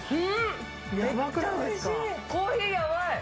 コーヒーやばい。